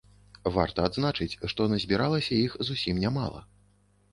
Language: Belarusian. Варта адзначыць, што назбіралася іх зусім нямала.